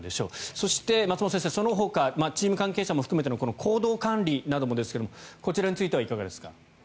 そして、松本先生そのほかチーム関係者も含めての行動管理などもですがこちらについてはいかがですか？